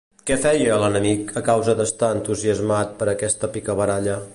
Què feia, l'enemic, a causa d'estar entusiasmat per aquesta picabaralla?